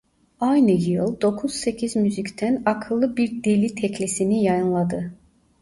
Aynı yıl Dokuz Sekiz Müzik'ten "Akıllı Bir Deli" teklisini yayınladı.